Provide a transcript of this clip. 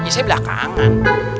ya saya belakangan